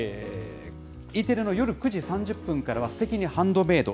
Ｅテレの夜９時３０分からは、すてきにハンドメイド。